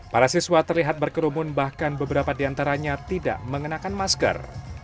para siswa terlihat berkerumun bahkan beberapa di antaranya tidak mengenakan masker